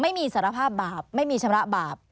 สารภาพบาปไม่มีชำระบาป